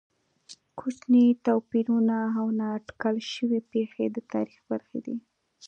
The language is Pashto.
کوچني توپیرونه او نا اټکل شوې پېښې د تاریخ برخې دي.